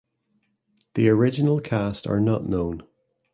The original cast are not known.